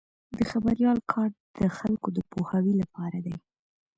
د خبریال کار د خلکو د پوهاوي لپاره دی.